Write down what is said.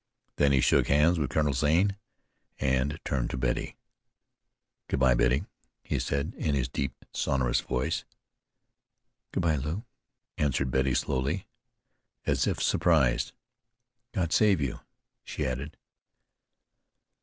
Then he shook hands with Colonel Zane and turned to Betty. "Good bye, Betty," he said, in his deep, sonorous voice. "Good bye, Lew," answered Betty slowly, as if surprised. "God save you," she added.